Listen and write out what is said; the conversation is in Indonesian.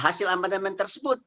hasil amandemen tersebut